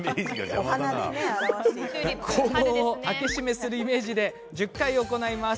肛門を開け閉めするイメージで１０回、行います。